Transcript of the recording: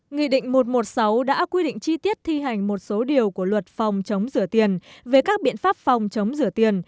nghị định một trăm một mươi sáu đã quy định chi tiết thi hành một số điều của luật phòng chống rửa tiền về các biện pháp phòng chống rửa tiền